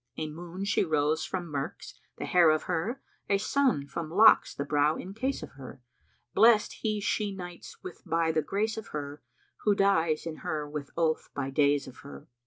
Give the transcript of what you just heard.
A moon she rose from murks, the hair of her, * A sun from locks the brow encase of her: Blest he she nights with by the grace of her, * Who dies in her with oath by days of her!"